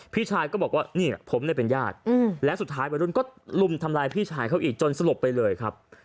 พี่ชายก็บอกว่าเนี่ยผมเนี่ยเป็นญาติและสุดท้ายวัยรุ่นก็ลุมทำร้ายพี่ชายเขาอีกจนสลบไปเลยครับ